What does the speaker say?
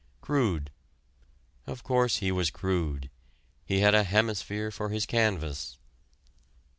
Crude: of course he was crude; he had a hemisphere for his canvas.